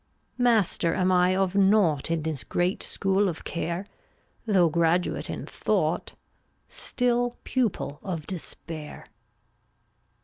Master am I of nought In this great school of Care; Though graduate in thought, Still pupil of Despair.